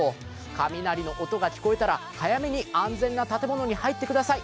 雷の音が聞こえたら、早めに安全な建物に入ってください。